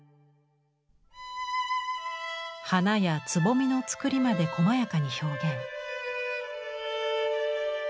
花やつぼみのつくりまでこまやかに表現。